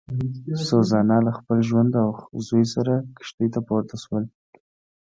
سوزانا له خپل خاوند او زوی سره کښتۍ ته پورته شول.